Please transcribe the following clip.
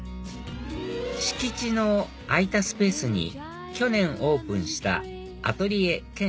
敷地の空いたスペースに去年オープンしたアトリエ兼